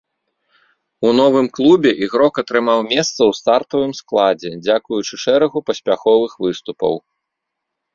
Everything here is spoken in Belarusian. У новым клубе ігрок атрымаў месца ў стартавым складзе дзякуючы шэрагу паспяховых выступаў.